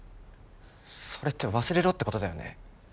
それって忘れろってことだよね？